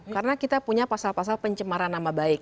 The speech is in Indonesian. karena kita punya pasal pasal pencemaran nama baik